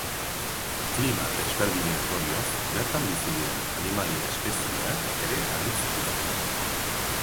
Klima desberdinen ondorioz, bertan bizi diren animalia-espezieak ere anitz dira.